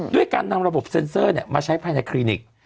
ด้วยการนำระบบเซ็นเซอร์มาใช้ภายในคลินิก